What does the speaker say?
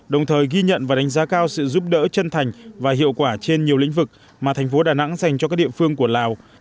đồng thời ghi nhận và đánh giá cao sự giúp đỡ chân thành và hiệu quả trên nhiều lĩnh vực mà thành phố đà nẵng dành cho các địa phương của lào